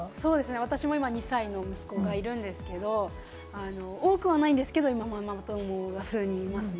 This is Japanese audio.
私も今２歳の息子がいるんですけど、多くはないんですけれども、ママ友が数人いますね。